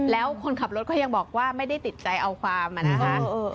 แล้วคนขับรถก็ยังบอกว่าไม่ได้ติดใจเอาความอะนะคะ